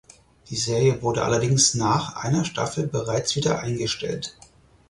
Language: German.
Die Serie wurde allerdings nach einer Staffel bereits wieder eingestellt.